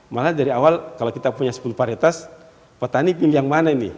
malah dari awal kalau kita punya sepuluh paritas petani pilih yang mana ini